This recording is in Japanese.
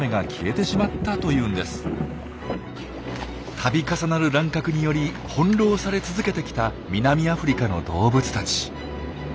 たび重なる乱獲により翻弄され続けてきた南アフリカの動物たち。